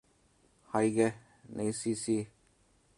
係嘅，你試試